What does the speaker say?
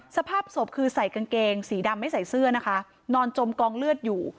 สภาพศพคือใส่กางเกงสีดำไม่ใส่เสื้อนะคะนอนจมกองเลือดอยู่